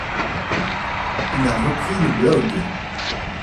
il a repris le blog.